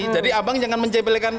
jadi abang jangan menjebelikan